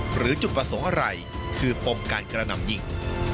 หรือจุดประสงค์อะไรคือปมการกระหน่ำยิง